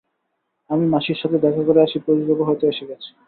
আমি মাসির সাথে দেখা করে আসি, প্রযোজকও হয়তো এসে গেছে।